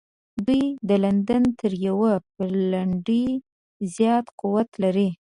دوی د لندن تر یوه پلنډي زیات قوت لري.